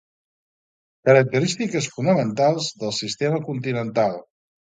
Característiques fonamentals del sistema continental.